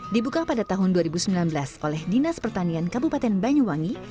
dibuka pada tahun dua ribu sembilan belas oleh dinas pertanian kabupaten banyuwangi